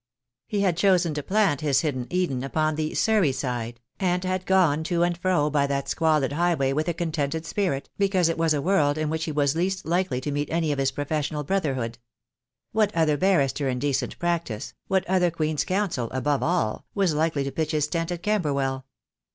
He had chosen to plant his hidden Eden upon "the Surrey side," and had gone to and fro by that squalid highway with a contented spirit, because it 238 THE DAY WILL COME. was a world in which he was least likely to meet any of his professional brotherhood. What other barrister in de cent practice, what other Queen's Counsel, above all, was likely to pitch his tent at Camberwell?